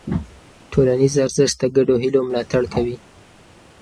ټولنیز ارزښت د ګډو هيلو ملاتړ کوي.